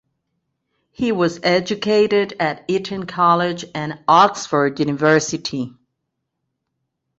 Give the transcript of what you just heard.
He was educated at Eton College and Oxford University.